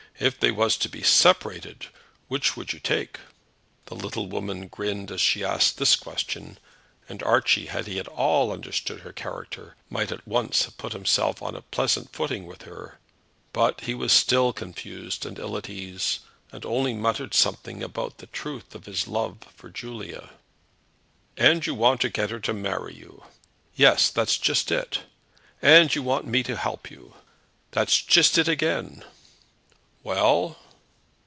If they was to be separated, which would you take?" The little woman grinned as she asked this question, and Archie, had he at all understood her character, might at once have put himself on a pleasant footing with her; but he was still confused and ill at ease, and only muttered something about the truth of his love for Julia. "And you want to get her to marry you?" "Yes; that's just it." "And you want me to help you?" "That's just it again." "Well?"